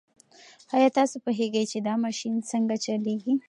ایا تاسو پوهېږئ چې دا ماشین څنګه چلیږي؟